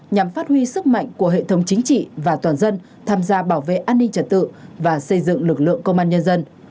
nhằm phát huy sức mạnh của hệ thống chính trị và toàn dân tham gia bảo vệ an ninh trật tự và xây dựng lực lượng công an nhân dân